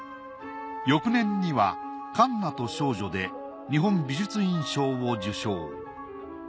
翌年には『カンナと少女』で日本美術院賞を受賞。